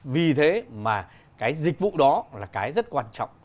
vì thế mà cái dịch vụ đó là cái rất quan trọng